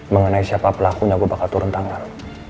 mengenai siapa pelakunya gue bakal turun tangan